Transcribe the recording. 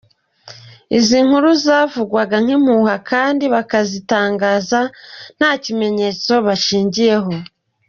Izi nkuru zavugwaga nk’impuha abandi bakazitangaza nta kimenyetso bashingiyeho.